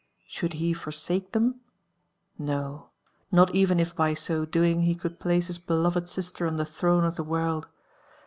Should he forsake them ? No ! not even if by so doing he could place, his beloved m\ti on the throne of the world.